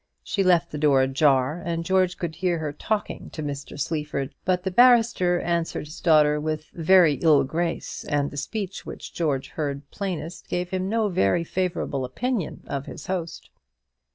She left the door ajar, and George could hear her talking to Mr. Sleaford; but the barrister answered his daughter with a very ill grace, and the speech which George heard plainest gave him no very favourable impression of his host.